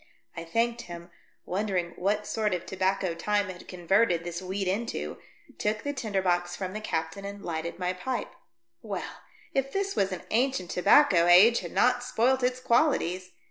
I thanked him, wondering what sort of tobacco time had converted this weed into, took the tinder box from the captain and lighted my pipe. Well, if this was an ancient tobacco age had not spoilt its qualities.